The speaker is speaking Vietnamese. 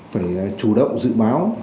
phải chủ động dự báo